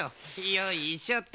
よいしょと。